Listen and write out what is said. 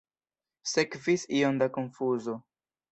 Sekvis iom da konfuzo.